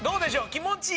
気持ち！